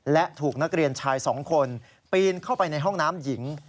และถูกนักเรียนชาย๒คนปีนเข้าไปในห้องน้ำหญิง